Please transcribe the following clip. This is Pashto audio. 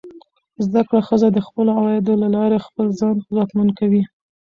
زده کړه ښځه د خپلو عوایدو له لارې خپل ځان ځواکمن کوي.